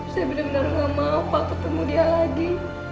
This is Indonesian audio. saya benar benar gak mau pak ketemu dia lagi